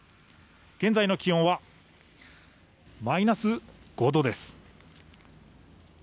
現在の気温はマイナス５度です。